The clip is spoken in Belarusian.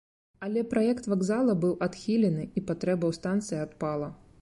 Але праект вакзала быў адхілены, і патрэба ў станцыі адпала.